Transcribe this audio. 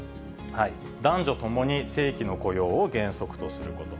男女ともに正規の雇用を原則とすること。